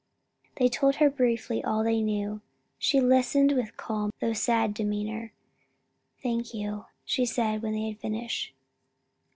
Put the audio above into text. They told her briefly all they knew, she listening with calm though sad demeanor. "Thank you," she said when they had finished.